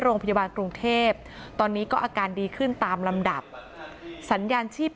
โรงพยาบาลกรุงเทพตอนนี้ก็อาการดีขึ้นตามลำดับสัญญาณชีพ